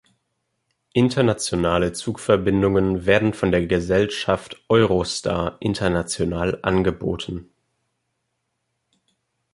Internationale Zugverbindungen werden von der Gesellschaft Eurostar International angeboten.